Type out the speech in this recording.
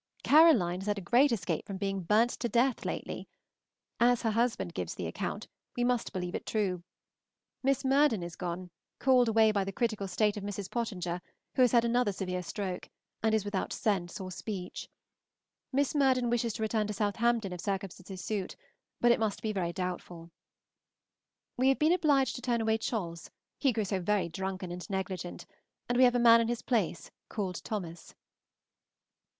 Caroline has had a great escape from being burnt to death lately. As her husband gives the account, we must believe it true. Miss Murden is gone, called away by the critical state of Mrs. Pottinger who has had another severe stroke, and is without sense or speech. Miss Murden wishes to return to Southampton if circumstances suit, but it must be very doubtful. We have been obliged to turn away Cholles, he grew so very drunken and negligent, and we have a man in his place called Thomas.